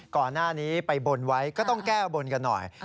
ก่อนหน้านี้ไปบนไว้ก็ต้องแก้บนกันหน่อย